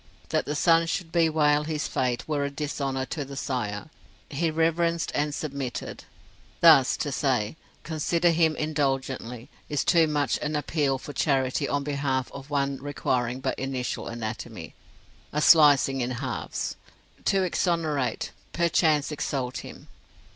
That the son should bewail his fate were a dishonour to the sire. He reverenced, and submitted. Thus, to say, consider him indulgently, is too much an appeal for charity on behalf of one requiring but initial anatomy a slicing in halves to exonerate, perchance exalt him.